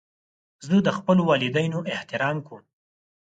زه د خپلو والدینو احترام کوم.